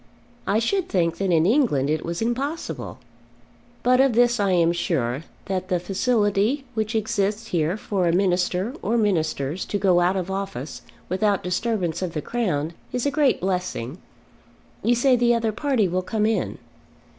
I should think that in England it was impossible. But of this I am sure, that the facility which exists here for a minister or ministers to go out of office without disturbance of the Crown, is a great blessing. You say the other party will come in."